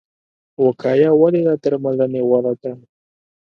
وقایه ولې له درملنې غوره ده؟